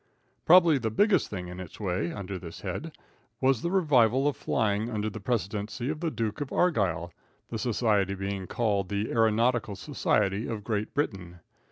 Probably the biggest thing in its way under this head was the revival of flying under the presidency of the Duke of Argyle, the society being called the Aeronautical Society of Great Britain.